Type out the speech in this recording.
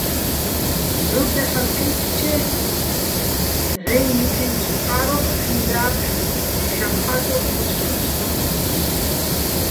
ჺურდეჼ ჰ̦ალო̆ ჴი́თთჩე ნჵაჲნი̆ ჲითენჩო̆ წყა́როხ ხინ და́ყე̆ ფშა ჴა́წურ ჩურჩხლაჸო̆საჼ.